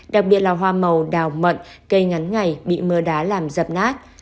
đặc biệt là hoa màu đào mận cây ngắn ngày bị mưa đá làm dập nát